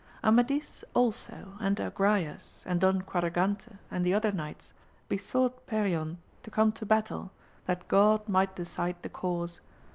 Amadis also and Agrayes and Don Quadragante and the other knights besought Perion to come to battle, that God might decide the cause.